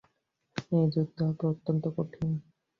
এই যুদ্ধ হবে অত্যন্ত কঠিন।